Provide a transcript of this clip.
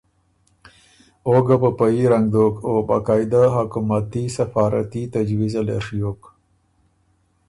او ګه په په يي رنګ دوک او باقاعده حکومتي سفارتي تجویزه لې ڒیوک۔